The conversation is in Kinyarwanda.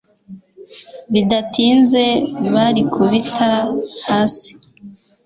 Bidatinze barikubita hasi